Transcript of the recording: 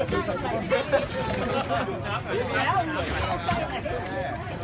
สวัสดีครับ